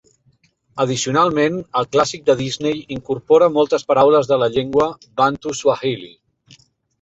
Addicionalment, el clàssic de Disney incorpora moltes paraules de la llengua Bantu Swahili.